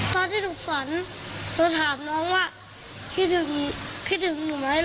พ่อที่ถึงฝันก็ถามน้องว่าคิดถึงคิดถึงหรือไม่